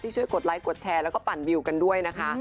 ช่วยกดไลค์กดแชร์แล้วก็ปั่นวิวกันด้วยนะคะ